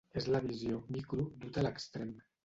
És la visió ‘micro’ duta a l’extrem.